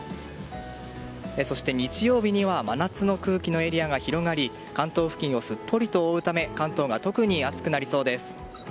そして日曜日には真夏の空気のエリアが広がり関東付近をすっぽりと覆うため関東が特に暑くなりそうです。